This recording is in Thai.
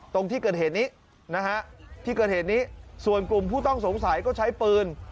ตรงที่เกิดเหตุนี้ส่วนกลุ่มผู้ต้องสงสัยก็ใช้ปืน